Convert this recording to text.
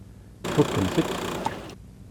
Tfukkemt-t?